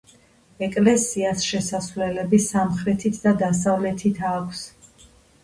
ეკლესიას შესასვლელები სამხრეთით და დასავლეთით აქვს.